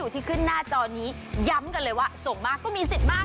ตอนนี้ย้ำกันเลยว่าส่งมากก็มีสิทธิ์มาก